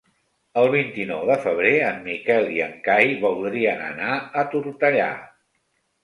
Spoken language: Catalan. El vint-i-nou de febrer en Miquel i en Cai voldrien anar a Tortellà.